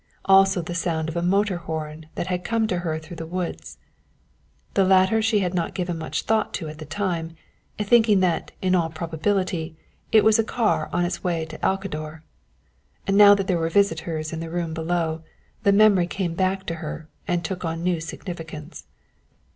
Also the sound of a motor horn had come to her through the woods. This latter she had not given much thought to at the time, thinking that in all probability it was a car on its way to Alcador. Now that there were visitors in the room below, the memory came back to her and took on a new significance.